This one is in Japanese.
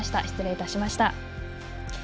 失礼いたしました。